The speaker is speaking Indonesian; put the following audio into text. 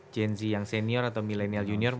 gen z yang senior atau milenial junior